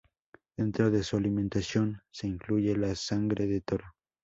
Dentro de su alimentación se incluye la sangre de toro.